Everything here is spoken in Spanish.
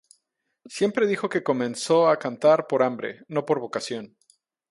Siempre dijo que comenzó a cantar por hambre, no por vocación.